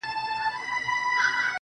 دى وايي دا~